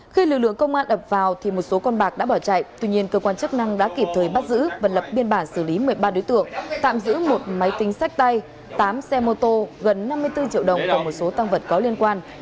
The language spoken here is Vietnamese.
khi lực lượng công an ập vào thì một số con bạc đã bỏ chạy tuy nhiên cơ quan chức năng đã kịp thời bắt giữ và lập biên bản xử lý một mươi ba đối tượng tạm giữ một máy tính sách tay tám xe mô tô gần năm mươi bốn triệu đồng và một số tăng vật có liên quan